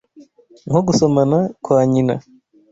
nko gusomana kwa nyina